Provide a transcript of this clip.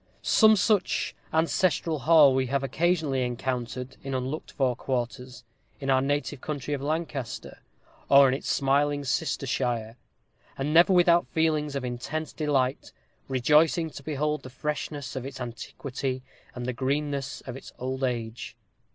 Some such ancestral hall we have occasionally encountered, in unlooked for quarters, in our native county of Lancaster, or in its smiling sister shire; and never without feelings of intense delight, rejoicing to behold the freshness of its antiquity, and the greenness of its old age.